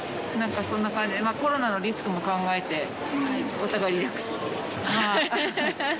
なんかそんな感じで、コロナのリスクも考えて、お互いリラックス。